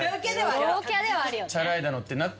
陽キャではあるよね。